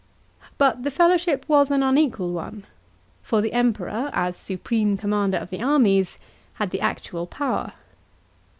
But the fellowship was an unequal one, for the Emperor, as supreme commander of the armies, had the actual power.